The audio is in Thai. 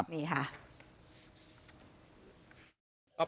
นี่ค่ะ